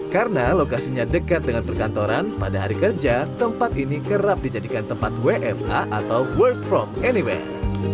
karena lokasinya dekat dengan perkantoran pada hari kerja tempat ini kerap dijadikan tempat wma atau work from anywhere